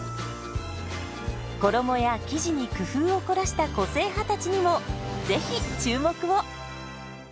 衣や生地に工夫を凝らした個性派たちにもぜひ注目を！